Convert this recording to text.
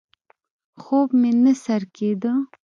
خوب مې نه سر کېده.